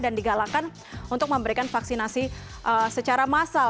dan digalakan untuk memberikan vaksinasi secara massal